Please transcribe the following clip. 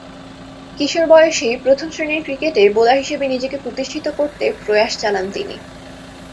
কিশোর বয়সেই প্রথম-শ্রেণীর ক্রিকেটে বোলার হিসেবে নিজেকে প্রতিষ্ঠিত করতে প্রয়াস চালান তিনি।